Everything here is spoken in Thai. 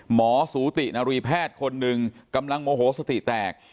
สูตินารีแพทย์คนหนึ่งกำลังโมโหสติแตก